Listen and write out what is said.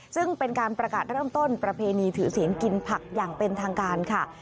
ซึ่งเป็นการประกาศเริ่มต้นประเพณีถือศีลกินผักอย่างเป็นทางการค่ะ